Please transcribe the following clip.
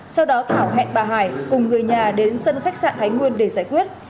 sau đó thảo hẹn bà hải cùng người nhà đến sân khách sạn thái nguyên để giải quyết